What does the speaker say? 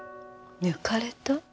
抜かれた？